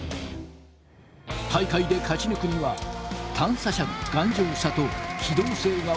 大会で勝ち抜くには探査車の頑丈さと機動性が求められます。